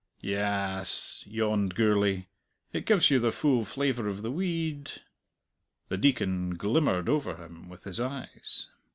"Ya as," yawned Gourlay; "it gives you the full flavour of the we eed." The Deacon glimmered over him with his eyes.